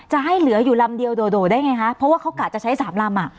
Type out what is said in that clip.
จะให้เหลืออยู่ลำเดียวโด่ได้ไงคะเพราะว่าเขากะจะใช้สามลำอ่ะ